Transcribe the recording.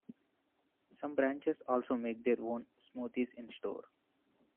Some branches also make their own smoothies in-store.